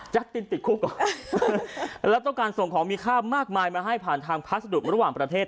ตินติดคุกก่อนแล้วต้องการส่งของมีค่ามากมายมาให้ผ่านทางพัสดุระหว่างประเทศ